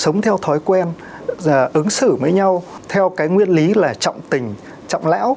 sống theo thói quen ứng xử với nhau theo cái nguyên lý là trọng tình trọng lẽo